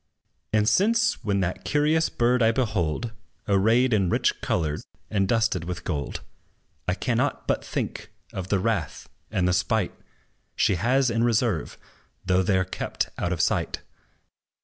And since, when that curious bird I behold Arrayed in rich colors, and dusted with gold, I cannot but think of the wrath and the spite, She has in reserve, though they 're kept out of sight.